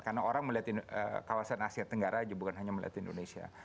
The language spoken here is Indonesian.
karena orang melihat kawasan asean tenggara juga bukan hanya melihat indonesia